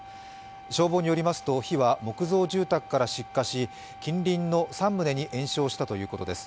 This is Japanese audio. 消防によりますと、火は木造住宅から出火し、近隣の３棟に延焼したということです。